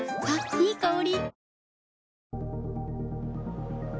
いい香り。